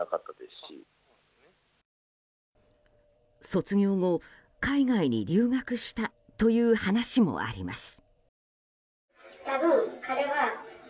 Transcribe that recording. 卒業後、海外に留学したという話もあります。